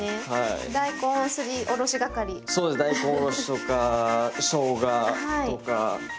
大根おろしとかしょうがとか。